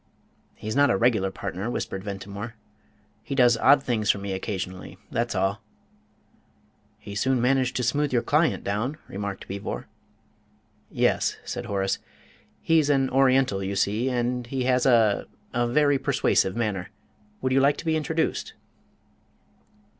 "He's not a regular partner," whispered Ventimore; "he does odd things for me occasionally, that's all." "He soon managed to smooth your client down," remarked Beevor. "Yes," said Horace; "he's an Oriental, you see, and, he has a a very persuasive manner. Would you like to be introduced?"